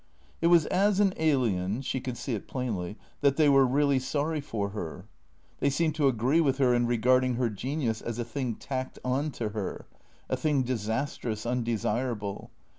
It was as an alien (she could see it plainly) that they were really sorry for her. They seemed to agree with her in regard ing her genius as a thing tacked on to her, a thing disastrous, undesirable.